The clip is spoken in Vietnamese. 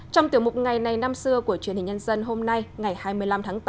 trong tiểu mục ngày này năm xưa của truyền hình nhân dân hôm nay ngày hai mươi năm tháng tám